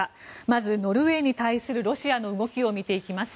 まずノルウェーに対するロシアの動きを見ていきます。